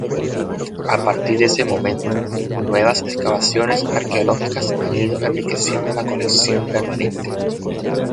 A partir de ese momento, nuevas excavaciones arqueológicas han ido enriqueciendo la colección permanente.